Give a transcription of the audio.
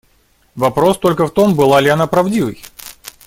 Вопрос только в том, была ли она правдивой.